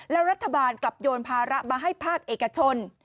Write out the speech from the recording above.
แล้วรัฐบาลกลับโยนภาระมาให้ภาคเอกชน